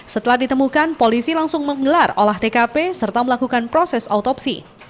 setelah ditemukan polisi langsung menggelar olah tkp serta melakukan proses autopsi